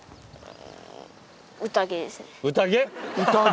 宴！？